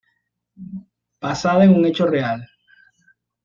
Basada en un hecho real.